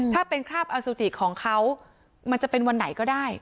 ถ้าเป็นคราบอสุจิของเขามันจะเป็นวันไหนก็ได้